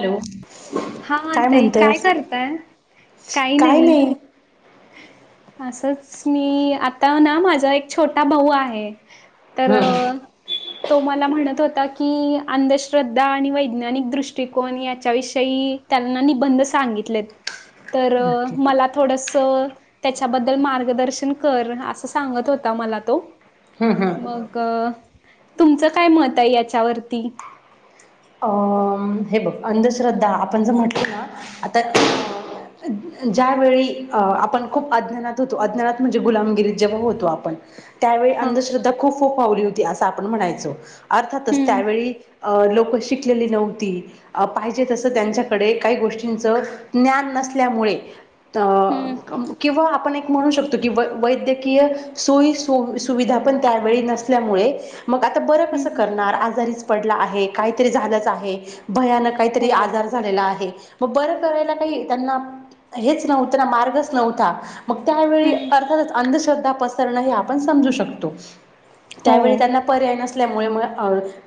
Hello. हा हा ताई काय करताय काही नाही असंच मी आता ना माझा एक छोटा भाऊ आहे तर हम्म तो मला म्हणत होता की अंधश्रद्धा आणि वैज्ञानिक दृष्टिकोन याच्याविषयी त्यांना निबंध सांगितले तर ओके मला थोड त्याच्याबद्दल मार्गदर्शन कर असं सांगत होता मला तो हम्म हम्म. मग तुमचं काय मत आहे याच्यावरती अ हे बघ अंधश्रद्धा आपण ज म्हटलं ना आता हम्म ज्यावेेळी अ आपण खूप अज्ञानात होतो अज्ञानात म्हणजे गुलामगिरीत जेव्हा होतो आपण त्यावेळी हा अंधश्रद्धा खूप खूप वावली होती असं आपण म्हणायचो अर्थातच हम्म त्यावेळी लोकं शिकलेली नव्हती पाहिजे तस त्यांच्याकडे काही गोष्टींच ज्ञान नसल्यामुळे अ हम्म किंवा आपण एक म्हणू शकतो की वैद्यकीय सोयी सुविधा पण त्यावेळी नसल्यामुळे मग आता बरं कसं हम्म करणार आजारीच पडला आहे काहीतरी झालंच आहे भयानक हो काहीतरी आजार झालेला आहे मग बरं करायला काही त्यांना हेच नव्हतं ना मार्गच नव्हता मग त्यावेळी हम्म अर्थातच अंधश्रद्धा पसरणं हे आपण समजू शकतो हो. त्यावेळी त्यांना पर्याय नसल्यामुळे म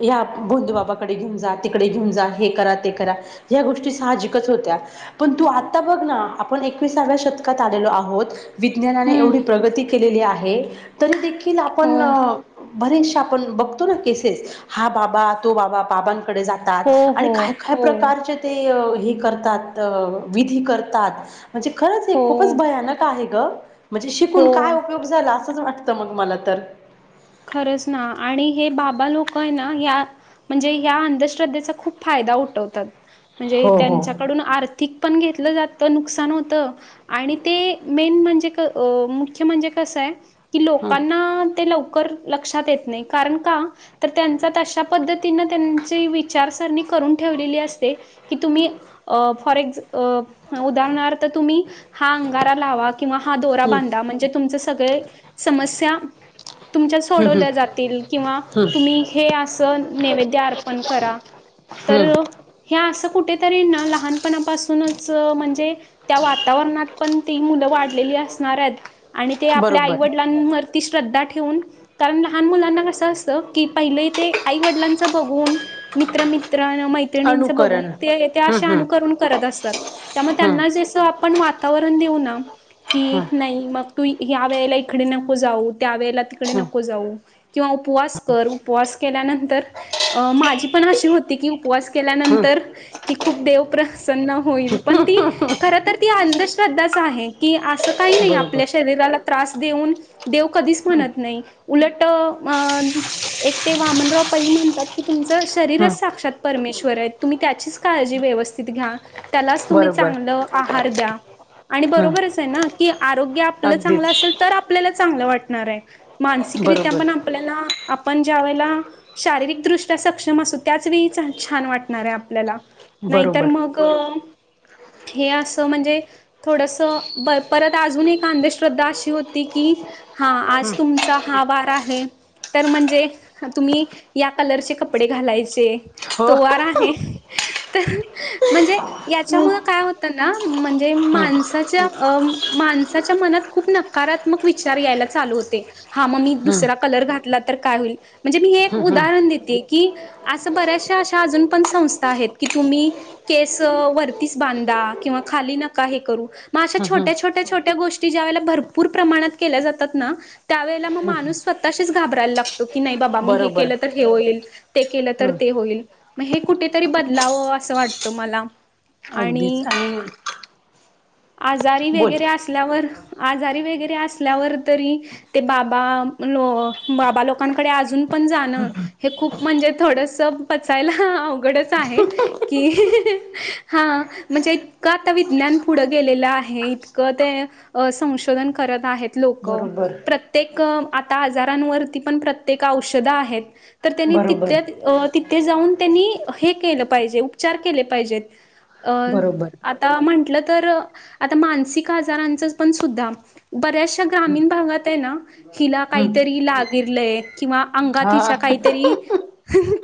ह भोंदू बाबाकडे घेऊन जा तिकडे घेऊन जा हे करा ते करा ह्या गोष्टी साहजिकच होत्या पण तु आता बग ना आपण एकविसाव्या शतकात आलेलो आहोत विज्ञानाने एवढी हं. प्रगती केलेली आहे तरी देखील हो. आपण बरेचसे आपण बघतो ना केसेस हा बाबा तो बाबा बाबांकडे जातात हो, आणि हो. काय काय हो. प्रकारचे ते हे करतात विधी करतात. म्हणजे खरंच हे खूपच हो. भयानक आहे ग म्हणजे शिकून काय हो. उपयोग झाला असंच वाट.. त मग मला तर. खरंच ना आणि हे बाबा लोक आहे ना या.. म्हणजे ह्या अंधश्रद्धेचा खूप फायदा उठवतात. म्हणजे हो हो त्यांच्याकडून आर्थिक पण घे.. त जात नुकसान होत आणि ते मेन म्हणजे मुख्य म्हणजे कसंय. कि हं लोकांना ते लवकर.. येत नाही कारण का त्यां पद्ती त्यां विचारसर.. ठेव अस क तुम्.. फॉर एक् उदाहरणार्थ तुम्ही.. हा अंगारा लावा किंवा हा दोरा हं बांधा म्हणजे तुमच सगळे समस्या.. तुमच्या हं सोडवल्या जातील किंवा हं तुम्ही हे असं नैवेद्य अर्पण करा. तर हं हं ह्या असं. कुठेतरी लहानपणापासूनच म्हणजे त्या वातावरणात पण.. ती मुलं वाढलेली असणार आहेत आणि ते आपल्या बरोबर आईवडिलांवरती श्रद्धा.. ठेवून कारण लहान मुलांना कसं असत की पहिले ते आई वडिलांच बघून मित्रमित.. मै्र ब अनुकरण हं हं अु करत असतात त्या हं त्यांना ज आपण.. दे हं क नाही म त व इ नकोऊ त्या व हं नकोऊ किंवा उपवास कर उपवास केल्यानंतर माझ पण अशी होती की उपवास हं केल्यानंतर की खूप देवप होईल पण ती खर तर ती अंधश्रद्धाच आहे की असं काही नाही आपल्या बरोबर शरी त्र देऊन देव कधीच हं म्हणत उलट वामनराव प म्हणतात तुमचं हं शरीरच साक्षात परमेश्वर आहे तुम्ही त्याचीच काळजी व्यवस्थित घ्या त्यालाच तुम्ही बरोबर चांगलं आहार द्या आणि हं बरोबरच आहे ना की आरोग्य आपलं चांगलं अगदीच असेल तर आपल्याला चांगलं वाटणार आहे मानसिकरित्या पण बरोबर आपल्याला आपण ज्या वेळेला शारीरिकदृष्ट्या सक्षम असू त्याच वेळी छान वाटणार आहे आपल्याला नाहीतर बरोबर मग हे असं म्हणजे थोडस परत अजून एक अंधश्रद्धा अशी होती की हा हं आज तुमचा हा वार आहे तर म्हणजे तुम्ही या कलरचे कपडे घालायचे हो तोवार आहे तर म्हणजे याच्यामु काय होतं ना म्हणजे हं माणसाच्या अ माणसाच्या मनात खूप नकारात्मक विचार यायला चालू होते हा मग मी हं दुसरा कलर घातला तर काय होईल म्हणजे मी हे एक हं हं उदाहरण देते की असं ब श अ पण संथा आहेत की तुम्ही केस वरतीच बांधा किंवा खाली न ग अश हं हं छो्या छो्या छ्या गोी ज्या भरपूर प्रणातल्या जातात त्यावेळेला मग माणूस स्वतःशीच घबरायला लागतो की नाही बाबा मी हे बरोबर केलं तर हे होईल ते केलं तर हं ते होईल मग हे कुठेतरी बदलावं असं वाटतं मला आणि अगदीच आणि आजारी बोल वगैरे असल्यावर आजारी वगैरे असल्यावर तरी ते बाबा लो बाबा लोकांकडे अजून ण खप म्हणजे थोडस पचायला अवघडच आहे की हा म्हणजे का त विज्ञान पुढं गेलेलं आहे इतकं ते संशोधन करत आहेत लोक बरोबर प्रत्येक आ आजारांवरती पण प्रत्येक औषध आहेत तर त्यांनी तथ बरोबर तिथे जाऊन त्यांनी हे केलं पाहिजे उपचार केले पाहिजेत अ बरोबर आता म्हंटल [inaudible] तर आता मानसिक आजारांच पण सुद्धा बऱ्याचशा हं ग्रामीण भागात आहे ना हिला हं काहीतरी लागिरलय किंवा हा अंगातिच्या काहीतरी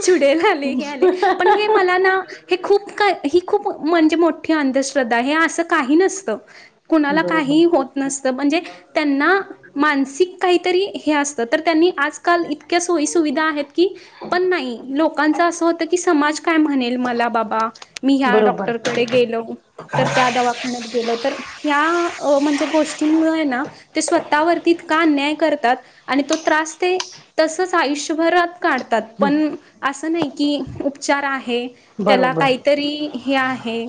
च आले हे आले पण हे मला ना हे खूप का ही खूप म्हणजे मोठी अंधश्रद्धा हे असं काही नसत. कुणाला काही बरोबर होत नसतं म्हणजे त्यांना मानसिक काहीतरी हे असत त्यांनी आजकाल इतक्या सोयी सुविधा आहेत. की पण नाही लोकांच असं होत की समाज काय म्हणेल मला बाबा, मी ह्या बरोबर डॉक्टरकडे गेलो तर, खणत गे [inaudible] तर या म्हणजे गोष्टींमुळे ना ते स्वतःवरती का अन्याय करतात. आणि तो त्रास दे तसच आयुष्यभरात, काढतात हं पण असं नाही की उपचार आहे. त्याला बरोबर काहीतरी हे आहे.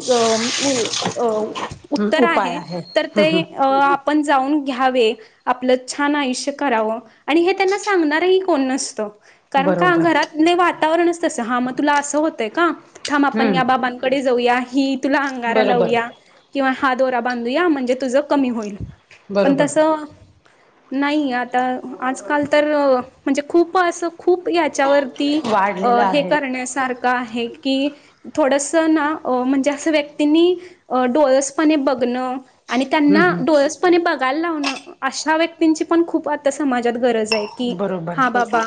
हं उत्तर उपाय आहे तर हं ते हं आपण जाऊन घ्यावे आपलं छान आयुष्य करावं आणि हे त्यांना सांगणारही कोण नसतं. कारण का बरोबर घरात नाही वातावरणच तसं हा मग तुला असं होतंय का, थांब आपण या हम्म बाबांकडे जाऊया हि तुला अंगारा बरोबर लावूया. किंवा हा दोरा बांधूया म्हणजे तुझ कमी होईल पण तस बरोबर नाही आता आजकाल तर म्हणजे खूप असं खूप याच्यावर ती वाढलेलं हे आहे करण्यासारखं आहे. कि थोडस ना म्हणजे असं व्यक्तींनी अ डोळसपणे बघणं आणि त्यांना हं हं डोळसपणे बघायला लाव अशा व्यक्तींची पण खूप आता समाजात गरज आहे की बरोबर हा बाबा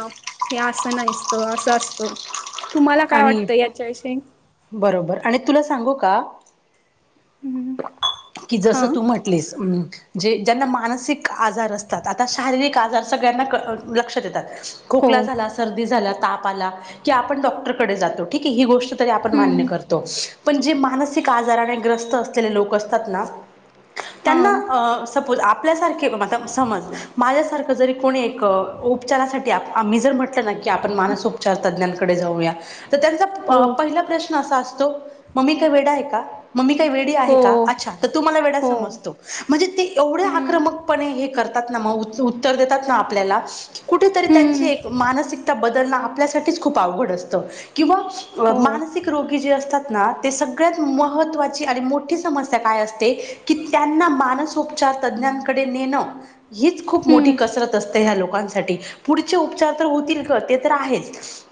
हे असं नाहीसतं असं असतो. तुम्हाला काय आणि वाटतं याच्याविषयी हम्म कि जसं हां तू म्हटलीस, जे ज्यांना मानसिक आजार असतात आता शारीरिक आजार सगळ्यांना क लक्ष देतात. हो खोकलाला सर्दी झाला ताप आला की आपण डॉक्टरकडे जातो ठीक आहे ही गोष्ट आपण मान्य हम्म करतो पण जे मानसिक आजाराणे असले लोक [inaudible] हां सपोज आपल्यासारखे समज माझ्यासारखं जरी कोणी एक उपचारासाठी आ्ही जर म्हटलं ना आपण माोपचार त् जाऊया हो त्यां पहि [inaudible] प्रश्न असा मम्मी काय वेड आहे का? मग्मी काही वेळी आहे हो का अच्छा तर तू मला वेड हो समजतो म्हणजे ते एवढे हम्म आक्रमकपणे हे कर ग उत्तर दात आपल्याला कु हम्म त्यां ब [inaudible] आपल्या खप आवड असत किं हो मानी असतात [inaudible] सगळ्यात महत्वाची आणि मोठी समस्या काय असते की त्यांना मानस चार तज्ञांकडे नेण हीच खूप मोठी हम्म कसरत असत ह लोक [inaudible] क पुढ उपचार तर होतील का तर आहे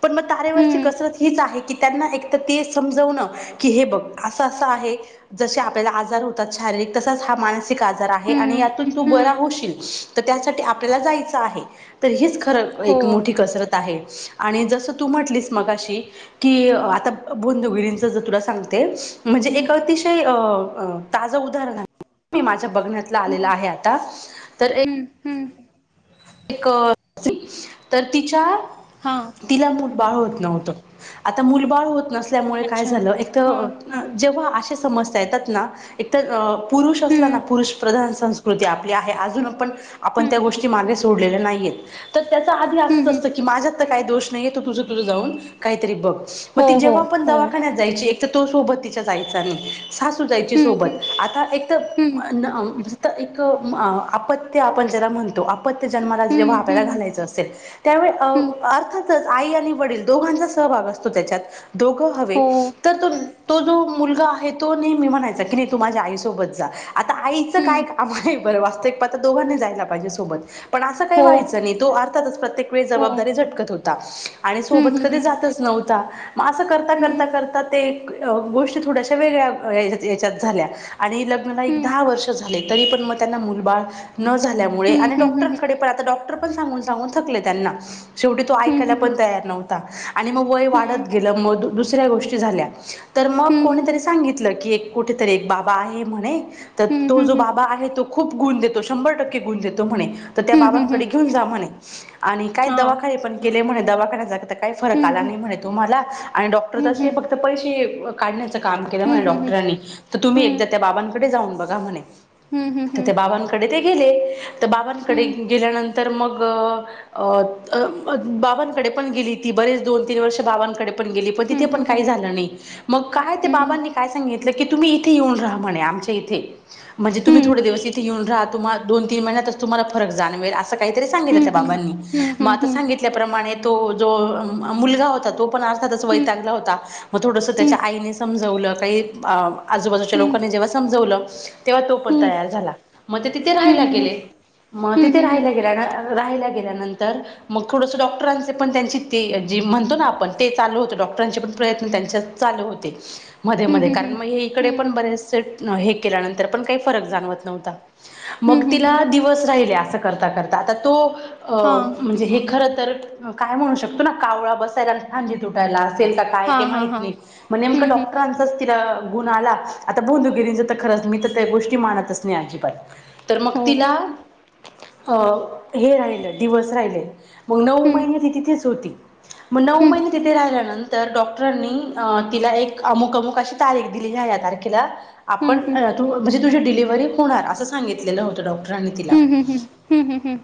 पण म तवर हम्म [inaudible] ह त्यांना सम अस ज [inaudible] जार होतात शारीर त हा मा [inaudible] बश त्या हम्म हम्म आपल्या [inaudible] ख हो एक मोठी कसरत आहे आणि जस तू म्हटली मग अशी की आता बोगिरींच जर तुला सांगते [inaudible] म्हणजे हम्म एक अतिशय अ ताजं उदाहरण मी माझ्या बघण्यातला आलेला आहे आता तर एक हमंम एक तर तिच्या हा तिला मुल बाळ होत. आल होत नसल्यामुळे काय अच्छा झा हा हा जेव्हा [inaudible] समजताय त्यात ना एकतर अ पुरुष असला‌ हम्म ना पुरुष प्रधान संस कृती आपली आहे. अजून आपण आपण हम्म त्या हम्म गोष्टी मागे सोडलेल्या नाहीयेत, तर त्याच आधी हम्म हम्म असतंय की माझ्यात तर काही दोष नाही. तु तुझ तुझ जाऊन काहीतरी बघ. मग हो ती हो जेव्हा पण हो दवाखान्यात जायची, एक तर तो सोबत तिच्या जायचा नाही. सासू जायची हम्म हम्म सोबत. आता एक तर एक आपत्य आपण ज्याला म्हणतो. आप त्य जन्माला हम्म तेव्हा हम्म आपल्याला हम्म घालायचं असेल, त्यावेळी अ हम्म अर्थ आई आणि वडील दोघांचा सहभाग असतो त्याच्यात. दोघं हवे, हो तर तो तो जो मुलगा आहे तो नेहमी म्हणायचा की नाही तू माझ्या आईसोबत जा. आता आईचं काय हम्म काम आहे बरं वास्तविक पाहता दोघांनी जायला पाहिजे सोबत. पण असं काही हो व्हायचं नाही तो अर्थातच प्रत्येक वेळ हो जबाबदारी झटकत होता आणि हम्म सोबत कधी हम्म जातच नव्ह होता. मग असं करता, हम्म करता, करता ते अ गोष्टी थोड्याश्या वेगळ्या याच्यात झाल्या. आणि लग्नाला एक दहा वर्ष झाले, तरी पण मग त्यांना मुलंबाळं न झाल्यामुळे हम्म आणि डॉ हम्म हम्म कडे पण आता डॉक्टर पण सांगून सांगून थकले त्यांना. शेवटी तो ऐकायला हम्म हम्म पण तयार नव्हता. आणि मग वय वाढत हम्म गेलं, मग दुसऱ्या गोष्टी झाल्या. तर मग हम्म कोणीतरी सांगितलं की एक कुठेतरी एक बाबा आहे म्हणे, तर हम्म हम्म हम्म तो हम्म जो बाबा आहे तो खूप गुण देतो, शंभर टक्के गुण देतो म्हणे. तर त्या हम्म हम्म हम्म बाबांकडे घेऊन जा म्हणे. आणि काय हा दवाखाने पण केले म्हणे दवाखान्याचा तर काही फरक हम्म आला नाही हम्म म्हणे. तुम्हाला आणि डॉक्टर हा ते फक्त पैसे काढण्यात काम केलं म्हणे डॉक्टरांनी. तर तुम्ही एकदा त्या बाबांकडे जाऊन बघा म्हणे. तर ते बाबांकडे ते गेले, तर बाबांकडे गेल्यानं तर मग अ अं बाबांकडे पण गेली ती बरेच दोन तीन वर्ष बाबांकडे गेली. पण तिथेपण काही झालं नाही, मग काय ते बाबांनी काय सांगितलं की तुम्ही इथे येऊन राहा म्हणे आमच्या इथे. म्हणजे तुम्ही थोडे दिवस इथे येऊन रहा दोन तीन महिन्यातच तुम्हाला फरक जाणावेल असा तो काहीतरी सांगितल त्या बाबांनी, मग आता सांगितल्याप्रमाणे तो जो अं मुलगा होता तो पण अर्थातच वैतागला होता. मग थोडंसं त्याच्या आईनी समजवलं काही अं आजूबाजूच्या लोकांनी जेव्हा समजवलं. तेव्हा तो पण तयार झाला. मग ते तिथे राहायला गेले, मग तिथे राहायला गेला ना रहायला गेल्यानंतर, मग थोडंसं डॉक्टरांचं पण त्यांची तेे जे म्हणतो ना आपण ते चालू होत डॉक्टरांचे पण प्रयत्न त्यांच्या चालू होते. मध्ये मध्ये कारण मग हे इकडे पण बरेचसे हे केल्यानंतर, पण काही फरक जाणवत नव्हता. मग तिला दिवस राहिले, अस करता करता. आता तो अं म्हणजे हे खर तर काय म्हणू शकतो ना, कावळा बसायला अन फांदी तुटायला. असेल का काय हा ते हा माहित हा नाही, मग नेमक डॉक्टरांचंच तिला गुण आला. आता भोंदूगिरीच तर खरंच मी तर त्या गोष्टी मानतच नाही अजिबात. तर मग हो तिला अ हे राहिलं दिवस राहिले. मग नऊ हम्म महिने ती तिथेच होती. मग नऊ हम्म महिने तिथे हम्म राहिल्यानंतर डॉ क्टरांनी अं तिला एक अमुक, अमुक अशी तारीख दिली. या या तारखेला हम्म आपण हम्म तू म्हणजे तुझी डिलिव्हरी होणार असं सांगितलेलं होतं डॉक्टरांनी तिला. हम्म, हम्म, हम्म, हम्म, हम्म.